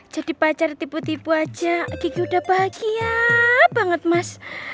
jadi pacar tipu tipu aja gigi udah bahagia banget mas